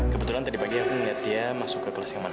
kebetulan tadi pagi aku melihat dia masuk ke kelas yang mana